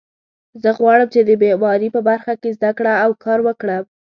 زه غواړم چې د معماري په برخه کې زده کړه او کار وکړم